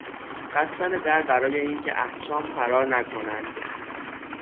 بستن در برای اینکه احشام فرار نکنند